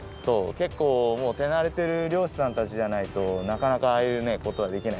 けっこうもう手なれてるりょうしさんたちじゃないとなかなかああいうことはできないから。